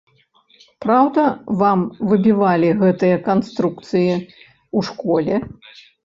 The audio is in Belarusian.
Праўда вам выбівалі гэтыя канструкцыі ў школе?